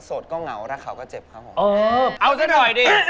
อะแจ้ทำไมเนี่ย